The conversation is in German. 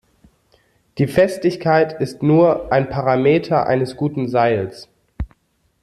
Die Festigkeit ist nur ein Parameter eines guten Seils.